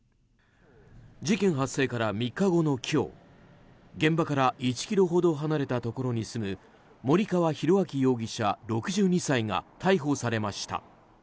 事件発生から３日後の今日現場から１ｋｍほど離れたところに住む森川浩昭容疑者、６２歳が逮捕されました。